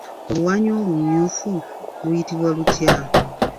Oluwaanyi olumyufu luyitibwa lutya?